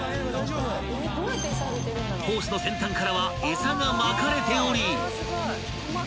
［ホースの先端からはエサがまかれており］